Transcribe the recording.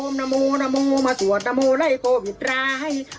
อ้อมนโมนโมมาสวดนโมไล่โควิดร้าย